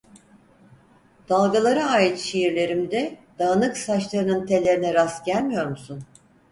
Dalgalara ait şiirlerimde dağınık saçlarının tellerine rast gelmiyor musun?